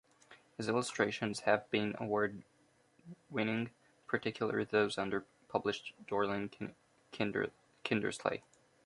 His illustrations have been award winning, particularly those under publisher Dorling Kindersley.